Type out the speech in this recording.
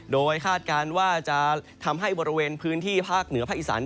โดยคาดการณ์ว่าจะทำให้บริเวณพื้นที่ภาคเหนือภาคอีสาน